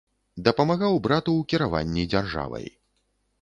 Дапамагаў брату ў кіраванні дзяржавай.